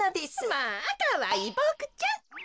まあかわいいボクちゃん。